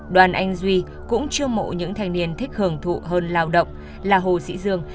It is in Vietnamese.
đoàn anh duy cũng trương mộ những thành niên thích hưởng thụ hơn lao động là hồ sĩ dương